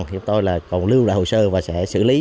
chúng tôi còn lưu lại hồ sơ và sẽ xử lý